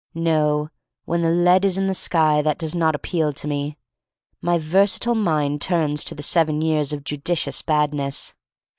No; when the lead is in the sky that does not appeal to me. My versatile mind turns to the seven years of judicious Badness.